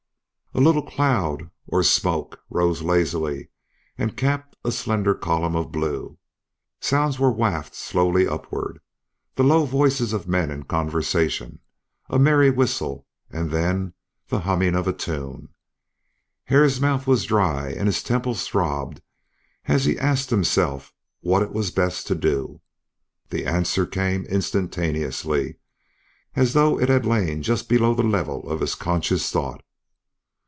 A little cloud or smoke rose lazily and capped a slender column of blue. Sounds were wafted softly upward, the low voices of men in conversation, a merry whistle, and then the humming of a tune. Hare's mouth was dry and his temples throbbed as he asked himself what it was best to do. The answer came instantaneously as though it had lain just below the level of his conscious thought.